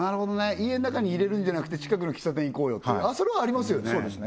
家ん中に入れるんじゃなくて近くの喫茶店行こうよっていうそれはありますよね